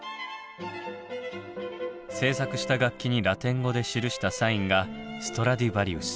製作した楽器にラテン語で記したサインが「ストラディバリウス」。